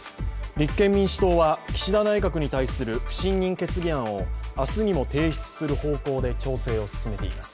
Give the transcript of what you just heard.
立憲民主党は岸田内閣に対する不信任決議案を明日にも提出する方向で調整を進めています。